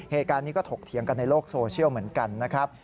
เหตุการณ์นี้ก็ถกเถียงกันในโลกโซเชียลเหมือนกันนะครับ